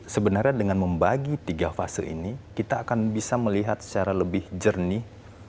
sebenarnya dengan membagi tiga fase ini kita akan bisa melihat secara lebih jernih